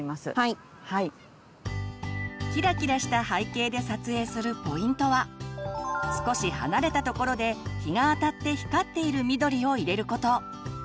キラキラした背景で撮影するポイントは少し離れたところで日があたって光っている緑を入れること。